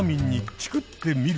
「チクってみる」。